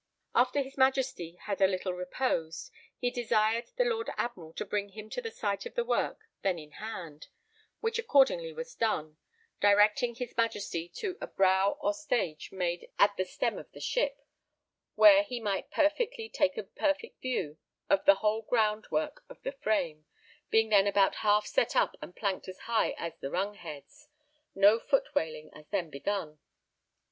After his Majesty had a little reposed, he desired the Lord Admiral to bring him to the sight of the work then in hand, which accordingly was done, directing his Majesty to a brow or stage made at the stem of the ship, where he might perfectly take a perfect view of the whole ground work of the frame, being then about half set up and planked as high as the rungheads, no foot waling as then begun.